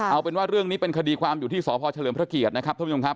เอาเป็นว่าเรื่องนี้เป็นคดีความอยู่ที่สพเฉลิมพระเกียรตินะครับท่านผู้ชมครับ